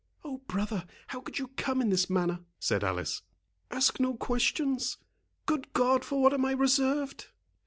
"Oh, brother, how could you come in this manner?" said Alice. "Ask no questions—Good God! for what am I reserved!"